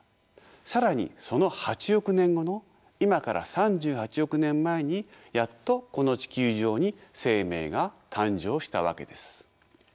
更にその８億年後の今から３８億年前にやっとこの地球上に生命が誕生したわけです。